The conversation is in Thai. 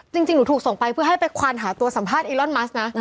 จริงหนูถูกส่งไปเพื่อให้ไปควานหาตัวสัมภาษณ์อีลอนมัสนะ